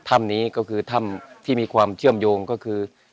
ธมธรรมนี้ก็คือรถมที่มีความเชื่อมโยงก็คือ